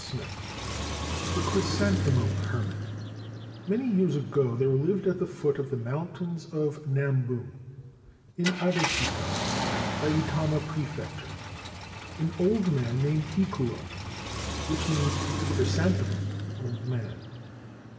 286 XLV THE CHRYSANTHEMUM HERMIT MANY years ago there lived at the foot of the Mountains of Nambu, in Adachi gun, Saitama Prefecture, an old man named Kikuo, which means Chrysanthemum Old Man.